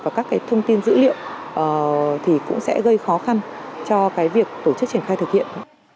và các cái thông tin dữ liệu thì cũng sẽ gây khó khăn cho cái việc tổ chức triển khai thực hiện